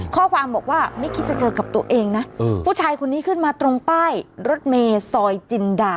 ข้อความบอกว่าไม่คิดจะเจอกับตัวเองนะผู้ชายคนนี้ขึ้นมาตรงป้ายรถเมย์ซอยจินดา